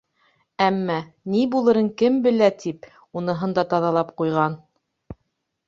Әммә, ни булырын кем белә тип уныһын да таҙалап ҡуйған.